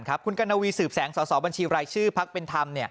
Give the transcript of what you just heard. คุณกัณวีสืบแสงสสบัญชีรายชื่อพักเป็นธรรม